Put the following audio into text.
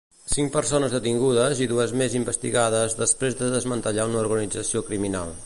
Cinc persones detingudes i dues més investigades després de desmantellar una organització criminal.